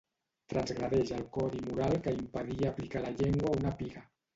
Transgredeix el codi moral que impedia aplicar la llengua a una piga.